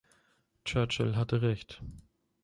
Churchill hatte Recht.